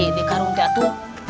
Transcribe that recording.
hal ini karu atu